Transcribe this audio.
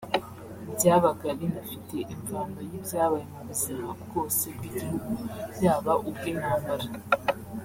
byabaga binafite imvano y’ibyabaye mu buzima bwose bw’igihugu yaba ubw’intambara